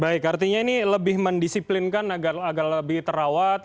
baik artinya ini lebih mendisiplinkan agar lebih terawat